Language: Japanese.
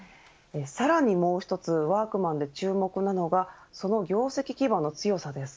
さらにもう一つワークマンで注目なのはその業績基盤の強さです。